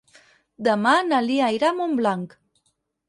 Demà na Lia irà a Montblanc.